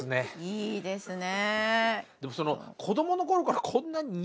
いいですね。